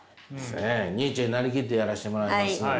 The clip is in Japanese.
ニーチェになりきってやらしてもらいますんで。